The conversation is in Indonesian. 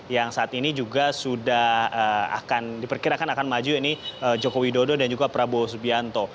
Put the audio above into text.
yang saat ini juga sudah akan diperkirakan akan maju ini joko widodo dan juga prabowo subianto